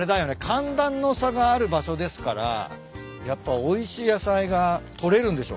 寒暖の差がある場所ですからやっぱおいしい野菜が採れるんでしょうね。